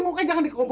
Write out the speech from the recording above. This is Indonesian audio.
gua yang disuruh